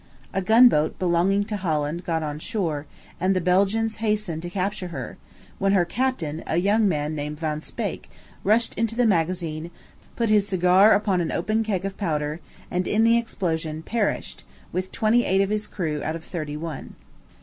A gun boat, belonging to Holland, got on shore, and the Belgians hastened to capture her, when her captain, a young man named Van Speyk, rushed into the magazine, put his cigar upon an open keg of powder, and, in the explosion, perished, with twenty eight of his crew out of thirty one.